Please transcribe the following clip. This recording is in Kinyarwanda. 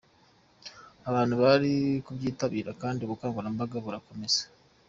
Abantu bari kubyitabira kandi ubukangurambaga burakomeza.